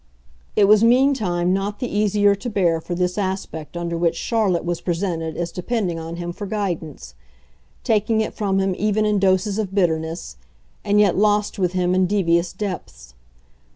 It was meantime not the easier to bear for this aspect under which Charlotte was presented as depending on him for guidance, taking it from him even in doses of bitterness, and yet lost with him in devious depths.